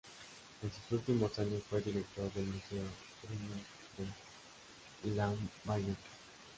En sus últimos años fue director del Museo Brüning de Lambayeque.